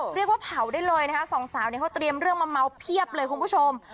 เรียกว่าเผาได้เลยนะคะสองสาวเนี่ยเขาเตรียมเรื่องมาเมาเพียบเลยคุณผู้ชม